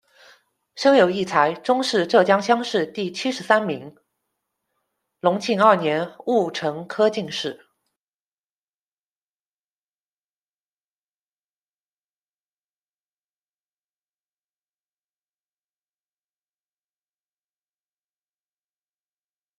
生有异才，中式浙江乡试第七十三名，隆庆二年戊辰科进士。